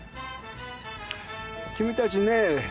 君たちね